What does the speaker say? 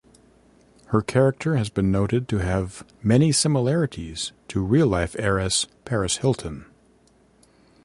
Her character has been noted to have many similarities to real-life heiress Paris Hilton.